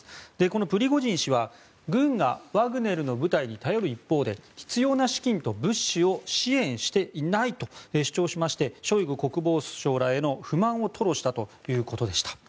このプリゴジン氏は軍がワグネルの部隊に頼る一方で必要な資金と物資を支援していないと主張しましてショイグ国防相らへの不満を吐露したということでした。